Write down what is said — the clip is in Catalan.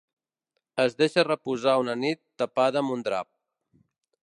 Es deixa reposar una nit tapada amb un drap.